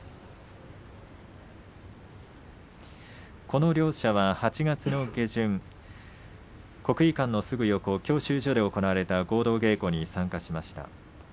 この両者は８月の下旬国技館のすぐ横、教習所で行われた合同稽古に参加しました。